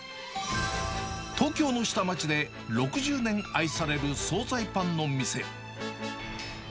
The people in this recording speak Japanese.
東京の下町で６０年愛される総菜パンの店。